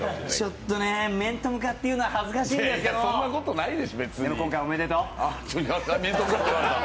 ちょっとね、面と向かって言うのは恥ずかしいんだけど今回はおめでとう。